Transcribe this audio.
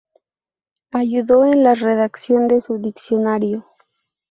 Ayudó en la redacción de su diccionario.